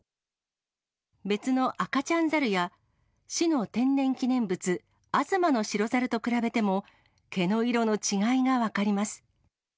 別の赤ちゃん猿や市の天然記念物、吾妻の白猿と比べても、毛の色の違いが分かります。